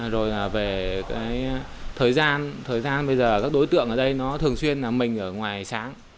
rồi là về cái thời gian thời gian bây giờ các đối tượng ở đây nó thường xuyên là mình ở ngoài sáng